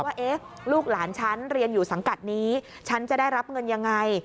ว่าลูกหลานฉันเรียนอยู่สังกัดนี้ฉันจะได้รับเงินยังไง